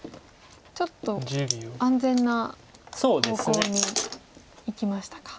ちょっと安全な方向にいきましたか。